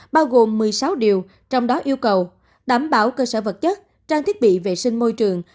bao gồm một mươi sáu điều trong đó yêu cầu đảm bảo cơ sở vật chất trang thiết bị vệ sinh môi trường